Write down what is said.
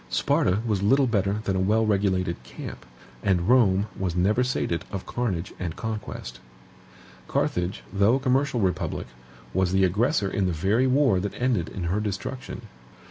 Sparta was little better than a wellregulated camp; and Rome was never sated of carnage and conquest. Carthage, though a commercial republic, was the aggressor in the very war that ended in her destruction.